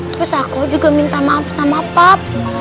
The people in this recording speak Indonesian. terus aku juga minta maaf sama pubs